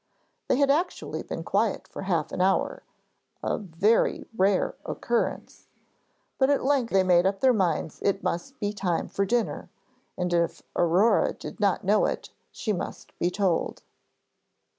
They had actually been quiet for half an hour a very rare occurrence but at length they made up their minds it must be time for dinner, and if Aurore did not know it, she must be told.